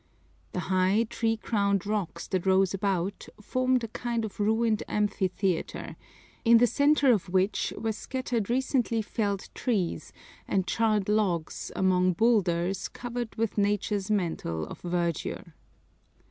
The high, tree crowned rocks that rose about formed a kind of ruined amphitheater, in the center of which were scattered recently felled trees and charred logs among boulders covered with nature's mantle of verdure.